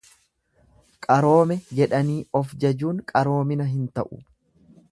Qaroome jedhanii of jajuun qaroomina hin ta'u.